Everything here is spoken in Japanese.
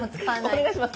お願いします